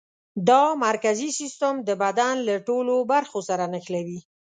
دا مرکزي عصبي سیستم د بدن له ټولو برخو سره نښلوي.